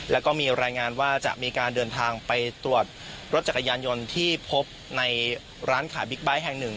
แล้วก็มีรายงานว่าจะมีการเดินทางไปตรวจรถจักรยานยนต์ที่พบในร้านขายบิ๊กไบท์แห่งหนึ่ง